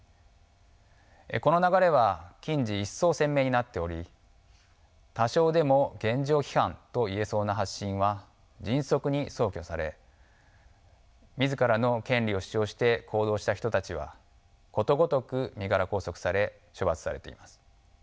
この流れは近時一層鮮明になっており多少でも現状批判と言えそうな発信は迅速に消去され自らの権利を主張して行動した人たちはことごとく身柄拘束され処罰されています。